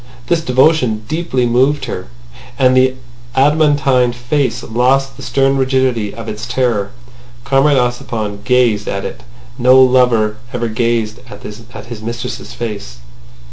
This devotion deeply moved her—and the adamantine face lost the stern rigidity of its terror. Comrade Ossipon gazed at it as no lover ever gazed at his mistress's face.